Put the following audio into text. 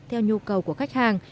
theo nhu cầu của khách hàng